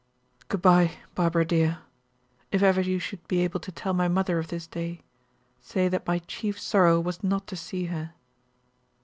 "Good bye, Barbara dear. If ever you should be able to tell my mother of this day, say that my chief sorrow was not to see her."